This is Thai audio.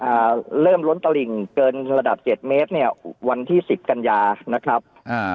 อ่าเริ่มล้นตลิ่งเกินระดับเจ็ดเมตรเนี้ยวันที่สิบกันยานะครับอ่า